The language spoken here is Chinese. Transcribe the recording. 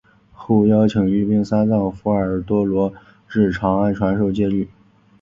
后邀请罽宾三藏弗若多罗至长安传授戒律。